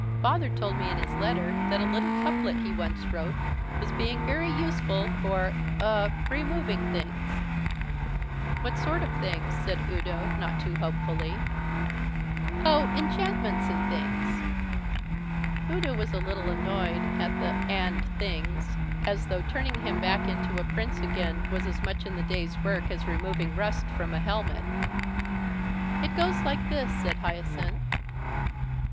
Father told me in his letter that a little couplet he once wrote was being very useful for er removing things." "What sort of things?" said Udo, not too hopefully. "Oh, enchantments and things." Udo was a little annoyed at the "and things" as those turning him back into a Prince again was as much in the day's work as removing rust from a helmet. "It goes like this," said Hyacinth.